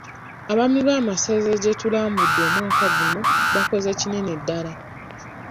Abaami b'amasaza gye tulambudde omwaka guno bakoze kinene ddala.